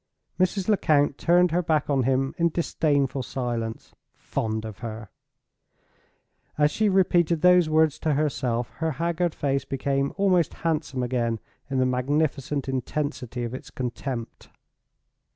Mrs. Lecount turned her back on him in disdainful silence. "Fond of her!" As she repeated those words to herself, her haggard face became almost handsome again in the magnificent intensity of its contempt.